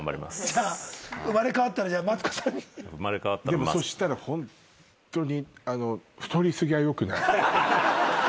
ホントに。でもそしたらホントに。